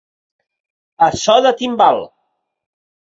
A so de timbal.